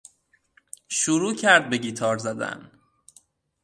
شروع کرد به گیتار زدن.